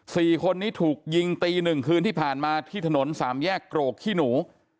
สี่คนนี้ถูกยิงตีหนึ่งคืนที่ผ่านมาที่ถนนสามแยกโกรกขี้หนู